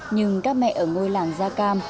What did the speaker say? nhưng các mẹ ở ngôi làng gia cam